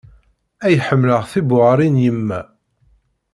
Ay ḥemmleɣ tibuɣarin n yemma.